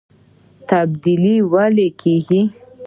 تبدیلي ولې کیږي؟